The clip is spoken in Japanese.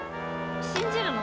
信じるの？